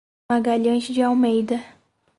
Magalhães de Almeida